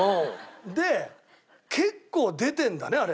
で結構出てるんだねあれ。